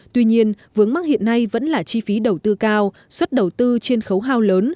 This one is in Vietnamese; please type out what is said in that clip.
tuy nhiên vướng mắc hiện nay vẫn là chi phí đầu tư cao suất đầu tư trên khấu hao lớn